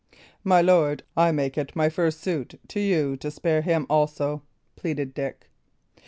"My lord, I make it my first suit to you to spare him also," pleaded Dick.